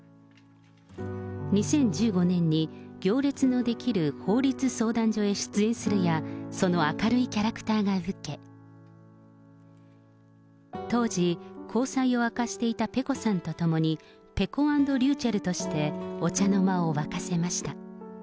２０１５年に行列のできる法律相談所へ出演するや、その明るいキャラクターが受け、当時、交際を明かしていたペコさんと共に、ぺこ＆りゅうちぇるとしてお茶の間を沸かせました。